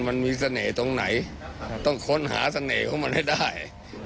บาวมีสเน่ทั้งไหนต้องฆ่าสะเน่ของมันให้ได้